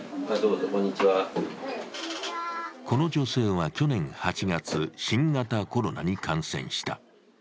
この女性は去年８月、新型コロナに感染した。